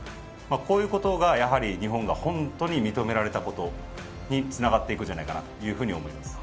こういうことが、やはり日本が本当に認められることにつながっていくんじゃないかなと思います。